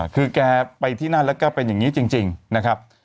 คือแกไปที่นั่นแล้วก็เป็นอย่างนี้จริงนะครับ